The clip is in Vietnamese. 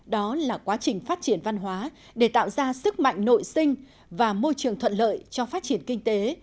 đó là quá trình phát triển văn hóa để tạo ra sức mạnh nội sinh và môi trường thuận lợi cho phát triển kinh tế